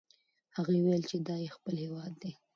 هغه وویل چې دا یې خپل هیواد دی.